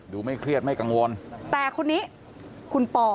ไม่เครียดไม่กังวลแต่คนนี้คุณปอ